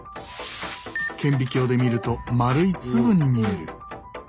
顕微鏡で見ると丸い粒に見える。